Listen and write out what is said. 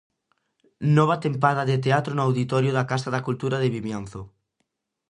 Nova tempada de teatro no auditorio da Casa da Cultura de Vimianzo.